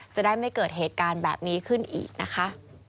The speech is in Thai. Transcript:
จะได้ไม่เกิดเหตุการณ์แบบนี้ขึ้นอีกนะคะ